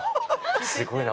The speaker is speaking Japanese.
すごいな。